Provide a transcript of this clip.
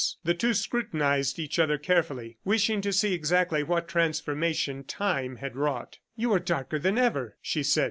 The two scrutinized each other carefully, wishing to see exactly what transformation Time had wrought. "You are darker than ever," she said.